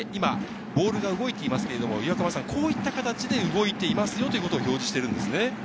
ボールが動いていますが、こういった形で動いていますよというのを表示しています。